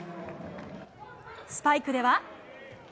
スパイクでは。